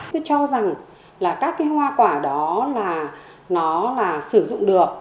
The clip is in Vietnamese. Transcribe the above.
cứ cho rằng là các cái hoa quả đó là nó là sử dụng được